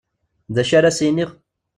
D acu ara as-iniɣ?